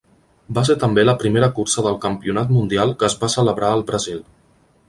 Va ser també la primera cursa del campionat mundial que es va celebrar al Brasil.